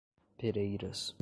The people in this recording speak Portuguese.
Pereiras